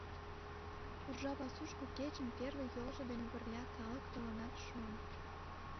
Уржа пасушко кечын первый йолжо дене пырля калык толынат шуын.